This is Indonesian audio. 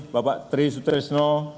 bapak tri sutresno